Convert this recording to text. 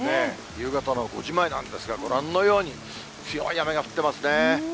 夕方の５時前なんですが、ご覧のように、強い雨が降ってますね。